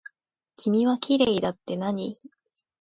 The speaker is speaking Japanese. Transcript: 君はきれいだってなに。